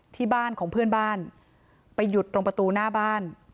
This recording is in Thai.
ที่บ้านของเพื่อนบ้านไปหยุดตรงประตูหน้าบ้าน